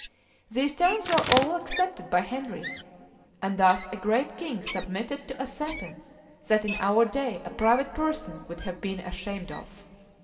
These terms were all accepted by Henry; and thus a great king submitted to a sentence that in our day a private person would have been ashamed of.